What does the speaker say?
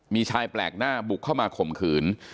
มีชายแปลกหน้าบุกเข้ามาข่มขืน